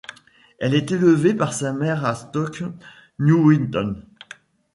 Elle est élevée par sa mère à Stoke Newington.